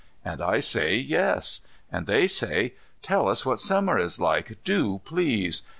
And I say yes. And they say, "Tell us what Summer is like, do, please."